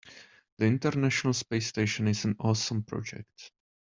The international space station is an awesome project.